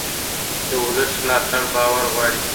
د ولس ملاتړ باور غواړي